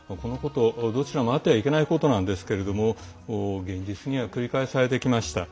どちらもあってはならないことですけども現実には繰り返されてきました。